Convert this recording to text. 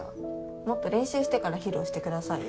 もっと練習してから披露してくださいよ。